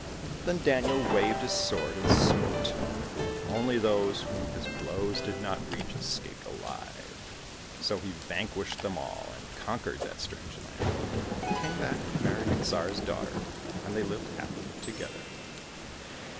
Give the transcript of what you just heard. Then Daniel waved his sword and smote, and only those whom his blows did not reach escaped alive. So he vanquished them all, and conquered that strange land, and came back and married the Tsar's daughter, and they lived happily together.